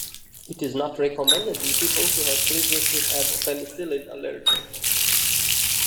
It is not recommended in people who have previously had a penicillin allergy.